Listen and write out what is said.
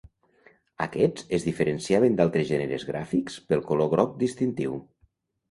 Aquests es diferenciaven d'altres gèneres gràfics pel color groc distintiu.